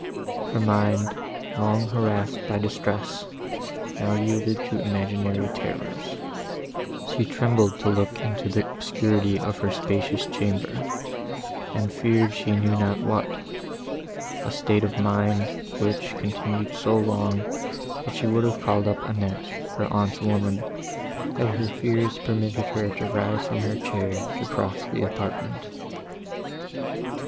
Her mind, long harassed by distress, now yielded to imaginary terrors; she trembled to look into the obscurity of her spacious chamber, and feared she knew not what; a state of mind, which continued so long, that she would have called up Annette, her aunt's woman, had her fears permitted her to rise from her chair, and to cross the apartment.